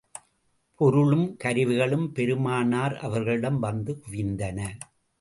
பொருளும், கருவிகளும் பெருமானார் அவர்களிடம் வந்து குவிந்தன.